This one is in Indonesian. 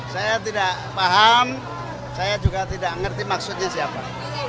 saya tidak paham saya juga tidak mengerti maksudnya siapa